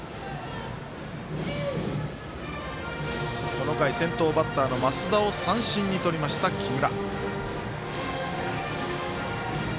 この回、先頭バッターの増田を三振にとりました、木村。